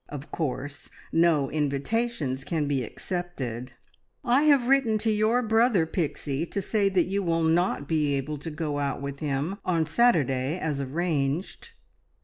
Of course no invitations can be accepted. I have written to your brother, Pixie, to say that you will not be able to go out with him on Saturday, as arranged."